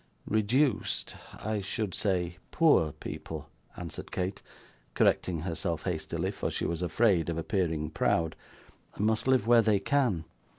'Reduced I should say poor people,' answered Kate, correcting herself hastily, for she was afraid of appearing proud, 'must live where they can.